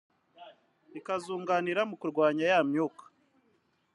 bikazunganira mu kurwanya ya myuka